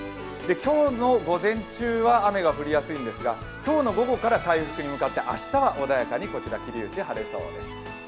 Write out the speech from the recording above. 今日の午前中は雨が降りやすいんですが、今日の午後から回復に向かって明日は穏やかにこちら桐生市、晴れそうです。